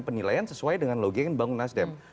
penilaian sesuai dengan logi yang dibangun nasdem